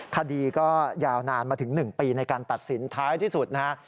คดีก็ยาวนานมาถึง๑ปีในการตัดสินท้ายที่สุดนะฮะ